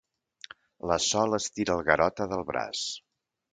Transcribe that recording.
La Sol estira el Garota del braç.